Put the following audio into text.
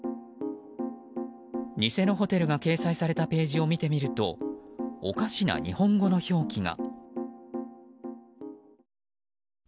偽のホテルが掲載されたページを見てみるとおかしな日本語の表記が。